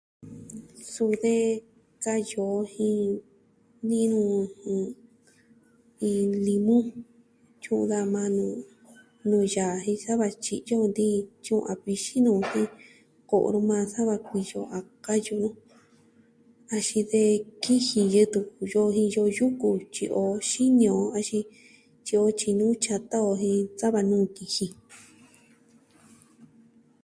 Suu de kayu o jen ni'i nu iin limu, tyu'un daja maa nu nuu yaa jen sa va tyi'yo nti'in, tyu'un a vixin nu jen ko'o nu maa sa va kuiyo a kayu nu axin de kijin yɨ'ɨ tuku iyo jen iyo yuku tyi'i o xini on axin tyi'i o tyi nuu yata jen sava nuu kijin.